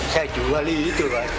saya jual itu